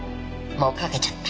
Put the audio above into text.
もうかけちゃった。